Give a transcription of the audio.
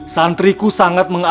santriku sangat mengagumkan